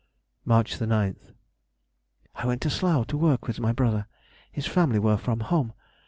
Mar. 9th.—I went to Slough to work with my brother. His family were from home.